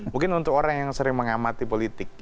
mungkin untuk orang yang sering mengamati politik